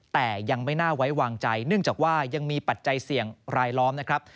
แต่ยังไม่น่าไว้วางใจเนื่องจากว่ายังมีปัจจัยเสี่ยงรายล้อมนะครับ